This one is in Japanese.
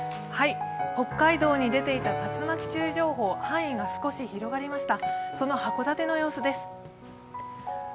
北海道に出ていた竜巻注意情報、範囲が少し広がりました。